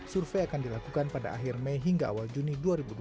survei akan dilakukan pada akhir mei hingga awal juni dua ribu dua puluh